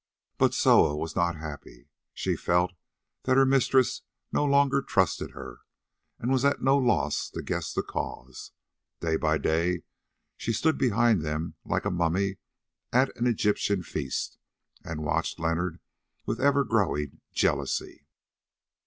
But Soa was not happy. She felt that her mistress no longer trusted her, and was at no loss to guess the cause. Day by day she stood behind them like a mummy at an Egyptian feast, and watched Leonard with ever growing jealousy.